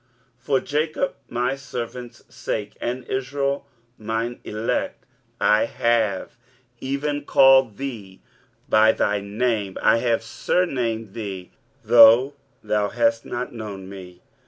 23:045:004 For Jacob my servant's sake, and Israel mine elect, I have even called thee by thy name: I have surnamed thee, though thou hast not known me.